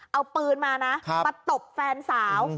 เอาปืนมานะครับมาประตบแฟนเกอร์